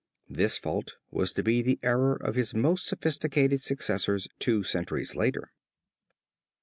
This fault was to be the error of his most sophisticated successors two centuries later.